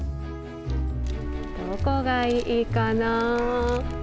どこがいいかな。